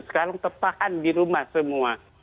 sekarang terpahan di rumah semua